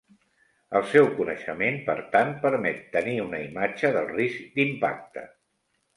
El seu coneixement, per tant, permet tenir una imatge del risc d'impacte.